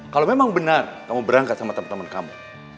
kalau memang benar kamu berangkat sama teman teman kamu